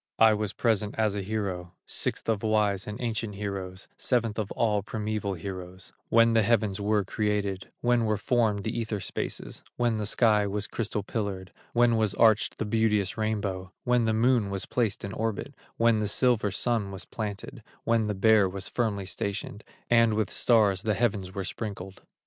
I was present as a hero, Sixth of wise and ancient heroes, Seventh of all primeval heroes, When the heavens were created, When were formed the ether spaces, When the sky was crystal pillared, When was arched the beauteous rainbow, When the Moon was placed in orbit, When the silver Sun was planted, When the Bear was firmly stationed, And with stars the heavens were sprinkled."